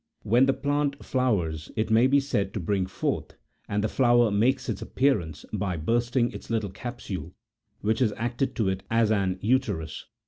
When the plant flowers, it may be said to bring forth, and the flower makes its appearance by bursting its little capsule, which has acted to it as an uterus.